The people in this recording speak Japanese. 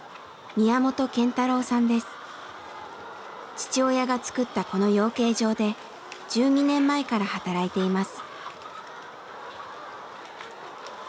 父親がつくったこの養鶏場で１２年前から働いています。